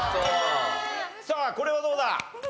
さあこれはどうだ？